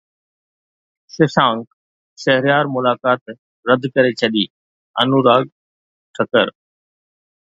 ششانڪ شهريار ملاقات رد ڪري ڇڏي انوراگ ٺڪر